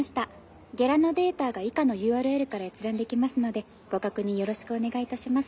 ゲラのデータが以下のＵＲＬから閲覧できますのでご確認よろしくお願いいたします」。